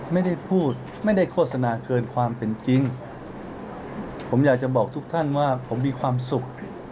ไม่ได้พูดไม่ได้โฆษณาเกินความเป็นจริงผมอยากจะบอกทุกท่านว่าผมมีความสุข